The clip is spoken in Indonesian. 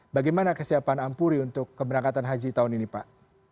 bagaimana kesiapan ampuri untuk keberangkatan haji tahun ini pak